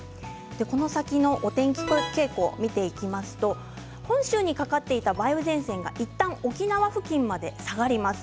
この先のお天気の傾向を見ていきますと本州にかかっていた梅雨前線がいったん沖縄付近まで下がります。